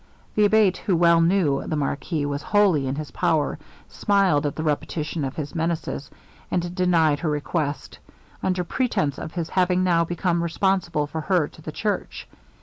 The Abate, who well knew the marquis was wholly in his power, smiled at the repetition of his menaces, and denied her request, under pretence of his having now become responsible for her to the church.